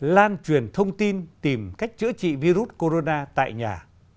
lan truyền thông tin tìm cách chữa trị virus corona tại nhà